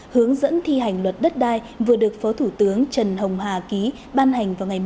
hướng dẫn thi hành luật đất đai vừa được phó thủ tướng trần hồng hà ký ban hành vào ngày ba tháng bốn